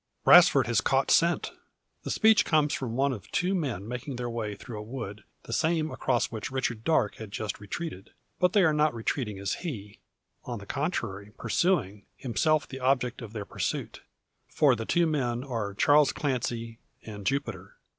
"Brasfort has caught scent!" The speech comes from one of two men making their way through a wood, the same across which Richard Darke has just retreated. But they are not retreating as he; on the contrary pursuing, himself the object of their pursuit. For they two men are Charles Clancy, and Jupiter.